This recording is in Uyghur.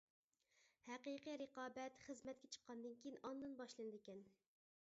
ھەقىقىي رىقابەت خىزمەتكە چىققاندىن كىيىن ئاندىن باشلىنىدىكەن.